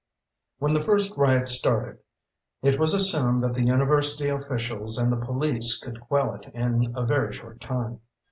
When the first riot started, it was assumed that the university officials and the police could quell it in a very short time.